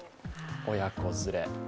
親子連れ。